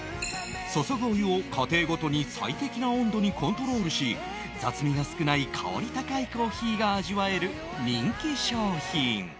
注ぐお湯を過程ごとに最適な温度にコントロールし雑味が少ない香り高いコーヒーが味わえる人気商品